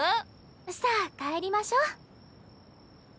さあ帰りましょ。